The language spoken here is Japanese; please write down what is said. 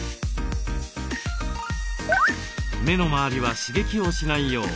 目の周りは刺激をしないよう